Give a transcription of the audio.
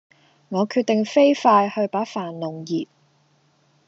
我決定飛快去把飯弄熱